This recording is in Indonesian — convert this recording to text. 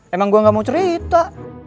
emang gua ga mau cerita